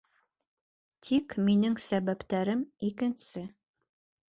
Тик минең сәбәптәрем икенсе.